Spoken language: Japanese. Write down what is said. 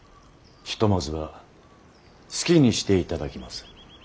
ひとまずは好きにしていただきます。